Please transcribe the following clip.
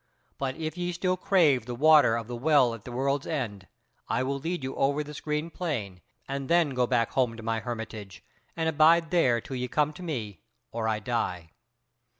But if ye still crave the water of the Well at the World's End, I will lead you over this green plain, and then go back home to mine hermitage, and abide there till ye come to me, or I die."